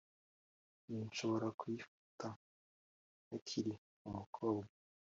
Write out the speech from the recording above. sinshobora kuyifata ntakiri umukobwa,